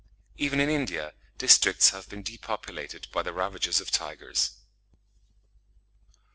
Even in India, districts have been depopulated by the ravages of tigers.